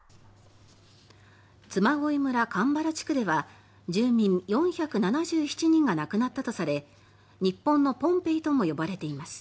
嬬恋村鎌原地区では住民４７７人が亡くなったとされ日本のポンペイとも呼ばれています。